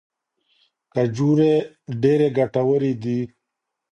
کجورې ډیرې ګټورې دي.